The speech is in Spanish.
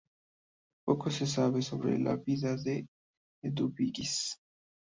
Poco se sabe sobre la vida de Eduvigis.